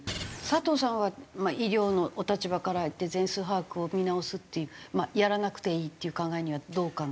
佐藤さんは医療のお立場からいって全数把握を見直すっていうやらなくていいっていう考えにはどうお考えですか？